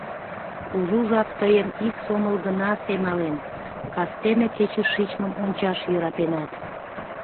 Кужу жап тыйым ик сомыл гына семален: кастене кече шичмым ончаш йӧратенат.